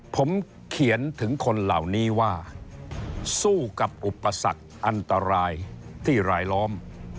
ผมเขียนถึงคนเหล่านี้ว่าสู้กับอุปสรรคอันตรายที่รายล้อม